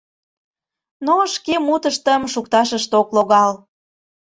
Но шке мутыштым шукташышт ок логал.